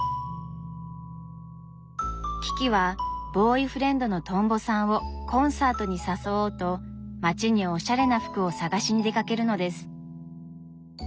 キキはボーイフレンドのとんぼさんをコンサートに誘おうと街におしゃれな服を探しに出かけるのです。